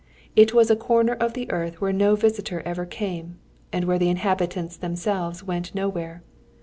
It was a corner of the earth where no visitor ever came, and where the inhabitants themselves went nowhere.